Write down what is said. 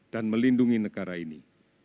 dan melindungi negara ini